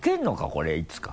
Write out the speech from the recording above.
これいつか。